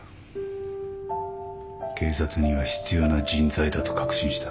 警察には必要な人材だと確信した。